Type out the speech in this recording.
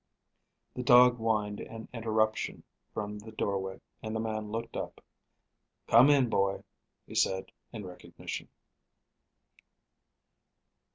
The dog whined an interruption from the doorway, and the man looked up. "Come in, boy," he said, in recognition.